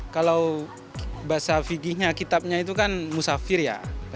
kalau bahasa figihnya kitabnya itu kan musafir ya